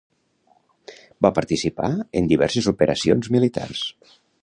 Va participar en diverses operacions militars.